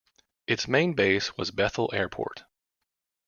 Its main base was Bethel Airport.